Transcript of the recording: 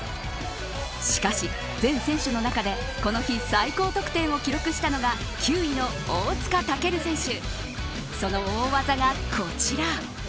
しかし、全選手の中でこの日最高得点を記録したのが９位の大塚健選手。